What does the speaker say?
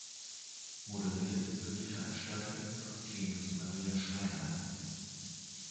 Moderiert wird die Veranstaltung von Clemens Maria Schreiner.